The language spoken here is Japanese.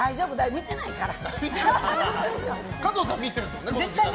見てないから。